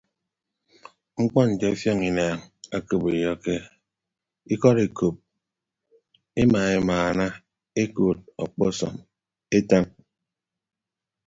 Mkpọ nte ọfiọñ inaañ ekeboiyo ikọd ekop ema emaana ekood akpasọm etañ.